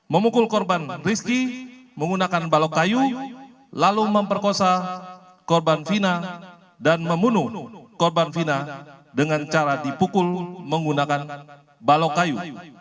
memukul korban rizky menggunakan balok kayu lalu memperkosa korban fina dan membunuh korban fina dengan cara dipukul menggunakan balok kayu